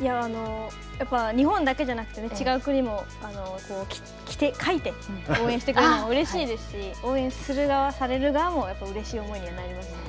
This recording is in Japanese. いや、やっぱり日本だけじゃなくて、違う国も着て、書いて応援してくれるのは、うれしいですし、応援する側、される側も、うれしい思いにはなります。